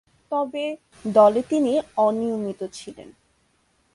তবে, দলে তিনি অনিয়মিত ছিলেন।